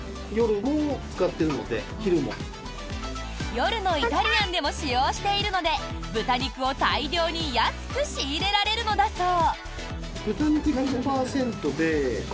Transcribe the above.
夜のイタリアンでも使用しているので豚肉を大量に安く仕入れられるのだそう。